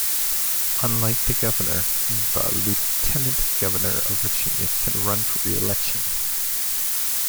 Unlike the governor, the Lieutenant Governor of Virginia can run for re-election.